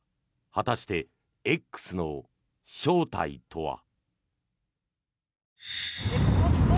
果たして、「Ｘ」の正体とは。